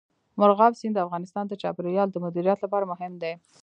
مورغاب سیند د افغانستان د چاپیریال د مدیریت لپاره مهم دي.